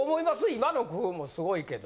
今の工夫もすごいけど。